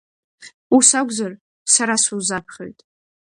Ус акәзар, сара сузаԥхьоит.